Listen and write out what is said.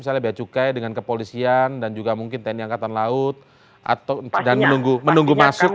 misalnya beacukai dengan kepolisian dan juga mungkin tni angkatan laut atau menunggu masuk data